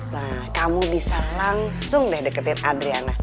nah kamu bisa langsung deh deketin adriana